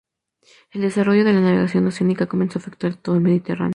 El desarrollo de la navegación oceánica comenzó a afectar a todo el Mediterráneo.